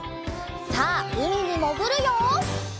さあうみにもぐるよ！